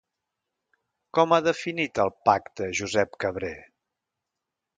Com ha definit el pacte Josep Cabré?